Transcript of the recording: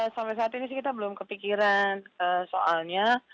sampai saat ini sih kita belum kepikiran soalnya